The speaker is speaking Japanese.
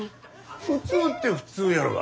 普通って普通やろが。